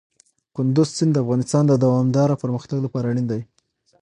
کندز سیند د افغانستان د دوامداره پرمختګ لپاره اړین دي.